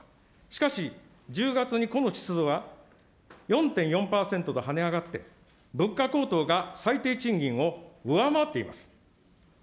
しかし、１０月にこの指数は４．４％と跳ね上がって、物価高騰が最低賃金を上回っています。